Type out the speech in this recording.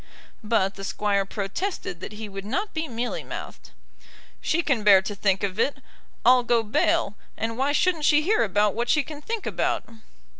But the Squire protested that he would not be mealy mouthed. "She can bear to think of it, I'll go bail; and why shouldn't she hear about what she can think about?"